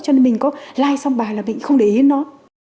cho nên mình có like xong bài là mình cũng không để ý đến nó